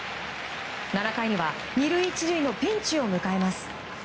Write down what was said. ７回には２塁１塁のピンチを迎えます。